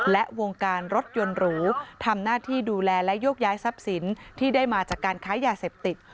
และวงการรถยนต์หรูทำหน้าที่ดูแลและโยกย้ายทรัพย์สินที่ได้มาจากการค้ายาเสพติด